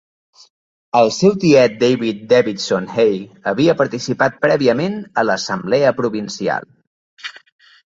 El seu tiet David Davidson Hay havia participar prèviament a l"assemblea provincial.